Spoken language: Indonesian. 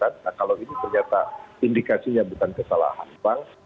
nah kalau ini ternyata indikasinya bukan kesalahan uang